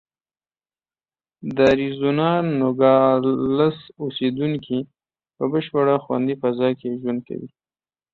د اریزونا نوګالس اوسېدونکي په بشپړه خوندي فضا کې ژوند کوي.